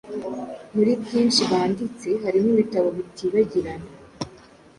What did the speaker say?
Muri byinshi banditse harimo ibitabo bitibagirana